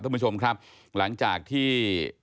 ท่านผู้ชมครับหลังจากที่